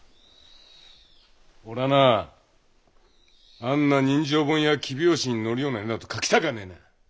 俺はなあんな人情本や黄表紙に載るような絵など描きたかねえな！